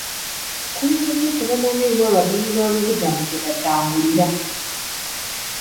Abakulembeze tebamanyi wa abanoonyiboobubudamu gye batambulira.